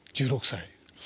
１６歳。